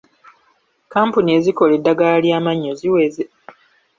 Kkampuni ezikola eddagala ly'amannyo ziweze.